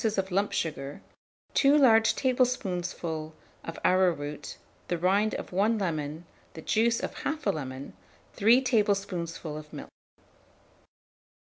of lump sugar, 2 large tablespoonfuls of arrowroot, the rind of 1 lemon, the juice of 1/2 lemon, 3 tablespoonfuls of milk.